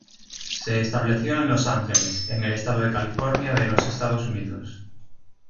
Se estableció en Los Ángeles, en el estado de California de los Estados Unidos.